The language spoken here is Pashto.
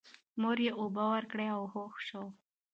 مور یې اوبه ورکړې او هوښ شو.